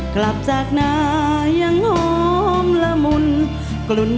กลับจากหน้ายังหอมละมุนกลุ่นเกลิ่นพิสุขและสุขทั้งไทย